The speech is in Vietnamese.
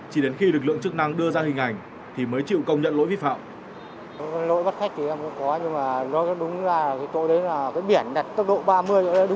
chỉ đến khi lực lượng chức năng đưa ra hình ảnh thì mới chịu công nhận lỗi vi phạm